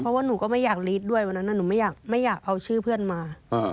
เพราะว่าหนูก็ไม่อยากรีดด้วยวันนั้นหนูไม่อยากเอาชื่อเพื่อนมา